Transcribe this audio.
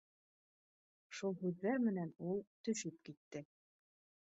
— Шул һүҙҙәр менән ул төшөп китте